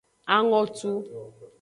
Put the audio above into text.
Angotu.